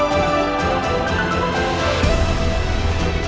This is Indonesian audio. gue ninggalin ricky gitu aja